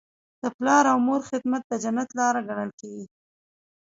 د پلار او مور خدمت د جنت لاره ګڼل کیږي.